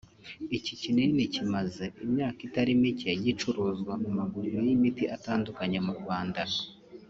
Iki kinini kimaze imyaka itari mike gicuruzwa mu maguriro y’imiti atandukanye mu Rwanda